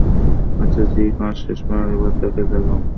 আচ্ছা, যী, কাজ শেষ, এবার তাকে জাগাও।